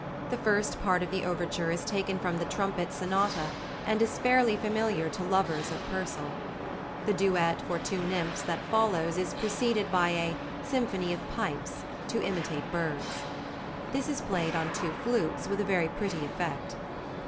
The first part of the overture is taken from the "Trumpet Sonata," and is fairly familiar to lovers of Purcell. The duet for two nymphs that follows is preceded by a "Symphonie of Pipes" to imitate birds: this is played on two flutes with a very pretty effect.